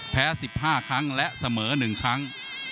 แพ้๑๕ครั้งและเสมอ๑ครั้ง